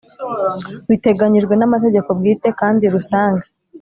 Biteganyijwe n amategeko bwite kandi rusange